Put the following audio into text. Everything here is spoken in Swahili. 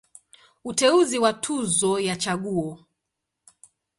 Uteuzi wa Tuzo ya Chaguo.